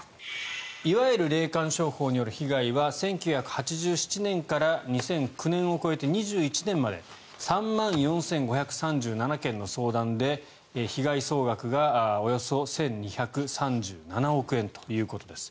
いわゆる霊感商法による被害は１９８７年から２００９年を超えて２１年まで３万４５３７件の相談で被害総額がおよそ１２３７億円ということです。